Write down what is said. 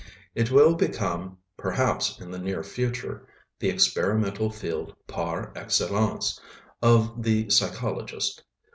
It will become perhaps in the near future the experimental field par excellence of the psychologist.